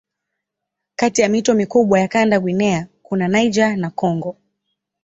Kati ya mito mikubwa ya kanda Guinea kuna Niger na Kongo.